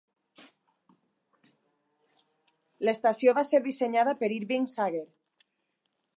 L'estació va ser dissenyada per Irving Sager.